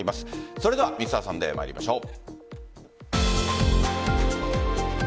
それでは「Ｍｒ．サンデー」参りましょう。